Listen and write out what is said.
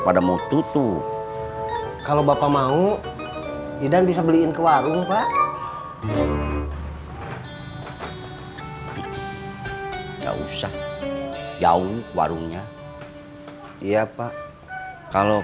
pada mau tutup kalau bapak mau idan bisa beliin ke warung pak jauh warungnya iya pak kalau